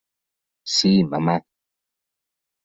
Sí, mamà.